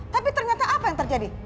tapi ternyata apa yang terjadi